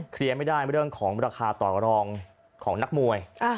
เคลียร์ไม่ได้เรื่องของราคาต่อรองของนักมวย